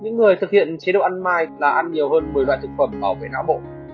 những người thực hiện chế độ ăn mai là ăn nhiều hơn một mươi loại thực phẩm bảo vệ não bộ